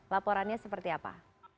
laporannya seperti apa